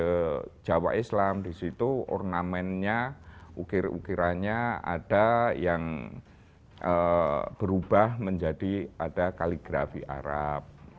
di jawa islam di situ ornamennya ukir ukirannya ada yang berubah menjadi ada kaligrafi arab